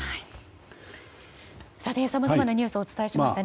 さまざまなニュースをお伝えしましたね。